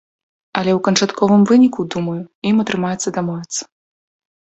Але ў канчатковым выніку, думаю, ім атрымаецца дамовіцца.